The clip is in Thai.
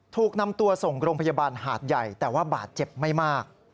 ถูกนำตัวส่งโรงพยาบาลหาดใหญ่แต่ว่าบาดเจ็บไม่มาก